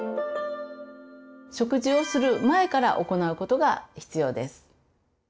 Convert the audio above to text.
食事をする前から行うことが必要です。